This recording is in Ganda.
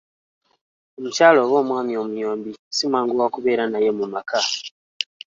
Omukyala oba omwami omuyombi simwangu wakubeera naye mu maka.